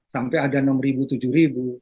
sampai ada enam ribu tujuh ribu